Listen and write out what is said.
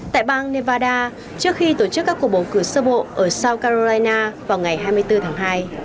tại bang nevada trước khi tổ chức các cuộc bầu cử sơ bộ ở south carolina vào ngày hai mươi bốn tháng hai